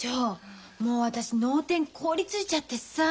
もう私脳天凍りついちゃってさ。